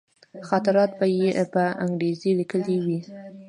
خاطرات به یې په انګرېزي لیکلي وي.